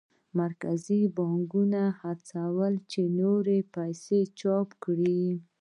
مرکزي بانکونه هڅول چې نورې پیسې چاپ کړي.